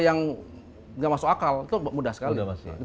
yang nggak masuk akal itu mudah sekali